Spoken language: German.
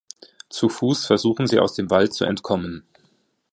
Zu Fuß versuchen sie aus dem Wald zu entkommen.